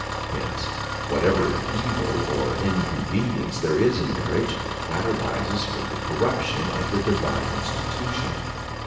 Hence, whatever evil or in convenience there is in marriage, that arises from the cor ruption of the divine institution.